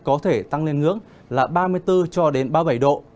có thể tăng lên ngưỡng là ba mươi bốn ba mươi bảy độ